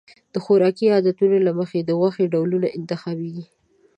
د خوراکي عادتونو له مخې د غوښې ډولونه انتخابېږي.